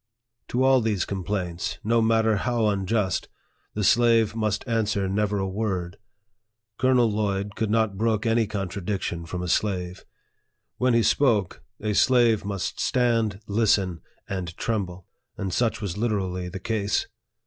To all these complaints, no matter how unjust, the slave must answer never a word. Colonel Lloyd could not brook any contradiction from a slave. When he spoke, a slave must stand, listen, and tremble ; and such was literally the case.